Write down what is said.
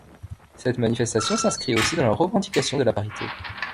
Cette manifestation s’inscrit aussi dans la revendication de la parité.